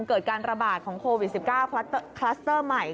เกิดการระบาดของโควิด๑๙คลัสเตอร์ใหม่